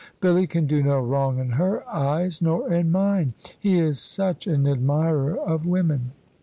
Billy can do no wrong in her eyes, nor in mine. He is such an admirer of women."